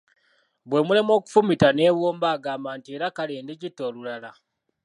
Bwe mulema okufumita n’ebomba agamba nti era kale ndigitta olulala.